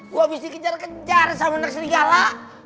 gue abis dikejar kejar sama nek serigala